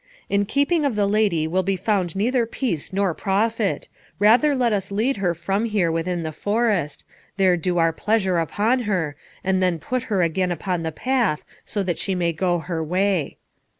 "In keeping of the lady will be found neither peace nor profit. Rather let us lead her from here within the forest, there do our pleasure upon her, and then put her again upon the path, so that she may go her way."